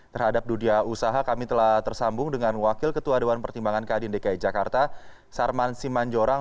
terhadap dunia usaha kami telah tersambung dengan wakil ketua dewan pertimbangan kadin dki jakarta sarman simanjorang